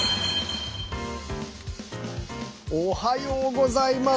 おはようございます。